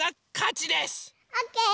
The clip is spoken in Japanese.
オッケー！